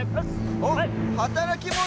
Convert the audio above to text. おっはたらきモノ